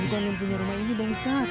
ini bukan yang punya rumah ini bang ustadz